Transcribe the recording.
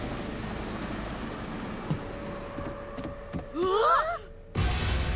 うわっ！